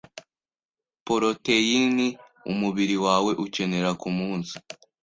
poroteyine umubiri wawe ukenera ku munsi